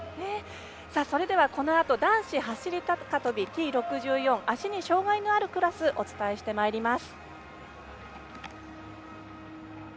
このあとは男子走り高跳びＴ６４足に障がいのあるクラスをお伝えしてまいります。